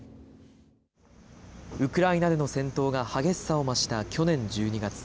ウクライナでの戦闘が激しさを増した去年１２月。